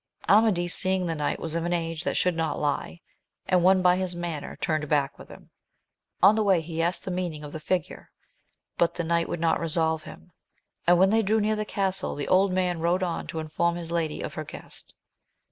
Amadis seeing the knight was of an age that should not lie, and won by his manner, turned back with him. On the way he asked the meaning of the figure, but the knight would not resolve him ; and when they drew near the castle, the old man rode on to inform his lady of her guest.